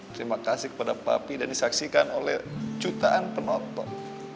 terima kasih kepada papi dan disaksikan oleh jutaan penonton